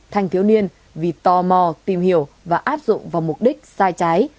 thanh thiếu niên vì tò mò tìm hiểu và áp dụng vào mục đích sai trái